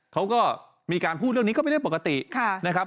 เขาก็มีการพูดเรื่องนี้ก็เป็นเรื่องปกตินะครับ